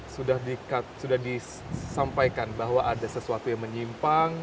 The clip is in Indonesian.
sudah disampaikan bahwa ada sesuatu yang menyimpang